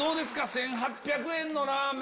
１８００円のラーメン。